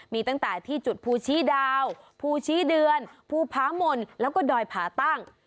มีตั้งแต่ที่จุดภูชีดาวภูชี้เดือนภูพามนแล้วก็ดอยผาตั้ง